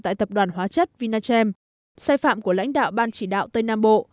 tại tập đoàn hóa chất vinachem sai phạm của lãnh đạo ban chỉ đạo tây nam bộ